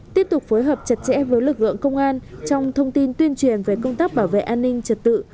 tiếp tục phối hợp chặt chẽ với lực lượng công an trong thông tin tuyên truyền về công tác bảo vệ an ninh trật tự